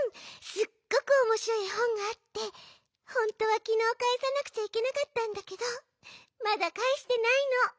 すっごくおもしろいえほんがあってほんとはきのうかえさなくちゃいけなかったんだけどまだかえしてないのウフフ。